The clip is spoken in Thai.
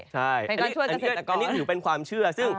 ใช่อันนี้เป็นความเชื่อ